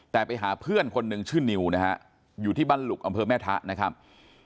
แต่ไปหาเพื่อนคนหนึ่งชื่อนิวนะฮะอยู่ที่บ้านหลุกอำเภอแม่ทะนะครับ